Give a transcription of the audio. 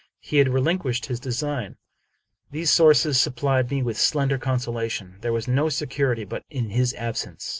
He had relinquished his design. These sources sup plied me with slender consolation. There was no security but in his absence.